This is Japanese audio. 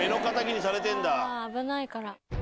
危ないから。